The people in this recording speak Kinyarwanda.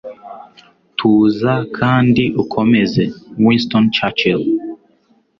Tuza kandi ukomeze.” - Winston Churchill